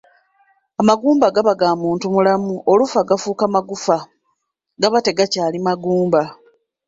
Amagumba gaba ga muntu mulamu, olufa gafuuka magufa, gaba tegakyali magumba.